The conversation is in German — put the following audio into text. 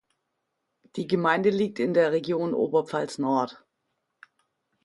Die Gemeinde liegt in der Region Oberpfalz-Nord.